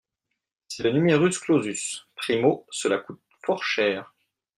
C’est le numerus clausus ! Primo, cela coûte fort cher.